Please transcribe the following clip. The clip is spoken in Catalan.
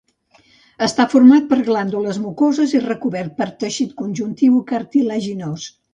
Està format per glàndules mucoses i recobert per teixit conjuntiu i cartilaginós.